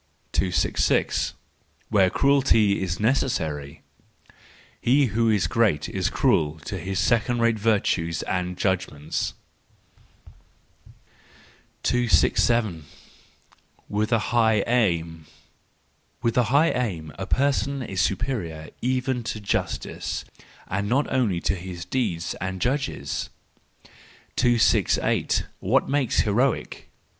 266. Where Cruelty is Necessary .—He who is great is cruel to his second rate virtues and judgments. THE JOYFUL WISDOM, III 209 267. With a high Aim. —With a high aim a person is superior even to justice, and not only to his deeds and his judges. 268. What makes Heroic?